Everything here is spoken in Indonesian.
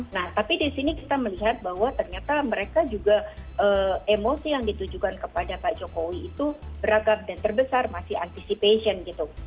nah tapi di sini kita melihat bahwa ternyata mereka juga emosi yang ditujukan kepada pak jokowi itu beragam dan terbesar masih anticipation gitu